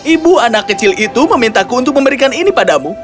ibu anak kecil itu memintaku untuk memberikan ini padamu